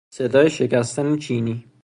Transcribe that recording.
صدای شکستن چینی